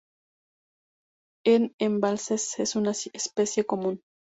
En embalses es una especie común.